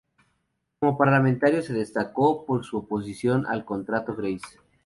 Como parlamentario se destacó por su oposición al contrato Grace.